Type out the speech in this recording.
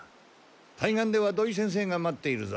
対岸では土井先生が待っているぞ。